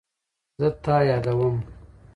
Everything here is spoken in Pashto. زه تا یادوم